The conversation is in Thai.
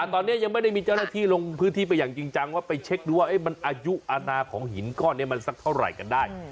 ตอนนี้ยังไม่ได้มีเจ้าหน้าที่ลงพื้นที่ไปอย่างจริงจังว่าไปเช็คดูว่ามันอายุอนาของหินก้อนนี้มันสักเท่าไหร่กันได้